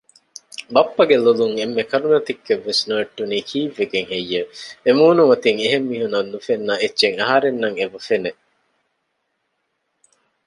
ބައްޕަގެ ލޮލުން އެންމެ ކަރުނަ ތިއްކެއްވެސް ނުވެއްޓުނީ ކީއްވެގެން ހެއްޔެވެ؟ އެމޫނުމަތިން އެހެންމީހުންނަށް ނުފެންނަ އެއްޗެއް އަހަރެނަށް އެބަފެނެ